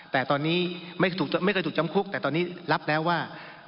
แต่ตอนนี้ไม่เคยถูกจำคุกแต่ตอนนี้รับแล้วว่า